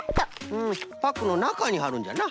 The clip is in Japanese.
うんパックのなかにはるんじゃな。